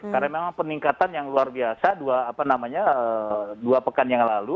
karena memang peningkatan yang luar biasa dua apa namanya dua pekan yang lalu